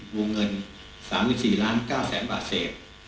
วงเงิน๓๔๙๐๐๐๐๐บาทเศษ